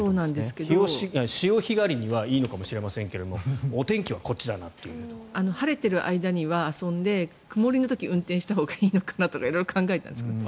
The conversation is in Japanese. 潮干狩りにはいいのかもしれませんがお天気はこっちだなと。晴れている間に遊んで曇りの時に運転したほうがいいのかなとか色々考えたんですけど。